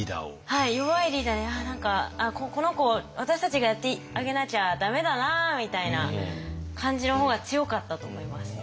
はい弱いリーダーで何かこの子私たちがやってあげなきゃ駄目だなみたいな感じの方が強かったと思います。